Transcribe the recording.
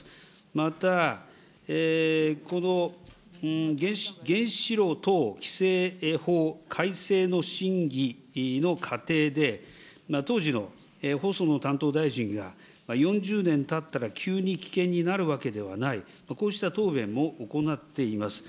また、原子炉等規制法等改正審議の過程で、当時のほその担当大臣が４０年たったら急に危険になるわけではない、こうした答弁も行っています。